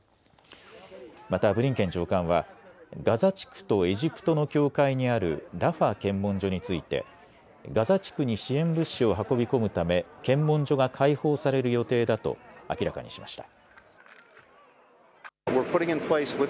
またブリンケン長官はガザ地区とエジプトの境界にあるラファ検問所についてガザ地区に支援物資を運び込むため検問所が開放される予定だと明らかにしました。